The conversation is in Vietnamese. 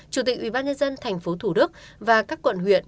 chủ tịch ubnd tp thủ đức và các quận huyện